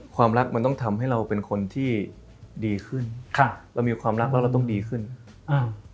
ความรักมันต้องทำให้เราเป็นคนที่ดีขึ้นค่ะเรามีความรักแล้วเราต้องดีขึ้นอ้าว